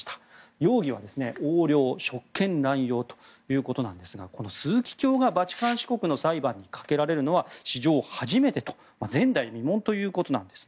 容疑は横領、職権乱用ということなんですがこの枢機卿がバチカン市国の裁判にかけられるのは史上初めてと前代未聞ということです。